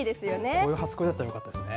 こういう初恋だったらよかったですね。